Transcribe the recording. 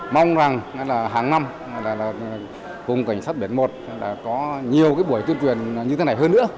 mong rằng hàng năm vùng cảnh sát biển một có nhiều cái buổi tuyên truyền như thế này hơn nữa